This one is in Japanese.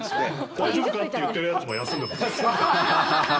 大丈夫か？って言ってるやつも休む。